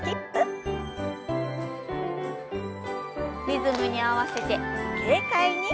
リズムに合わせて軽快に。